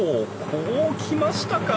こうきましたか。